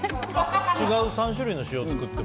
違う３種類の塩を作っても。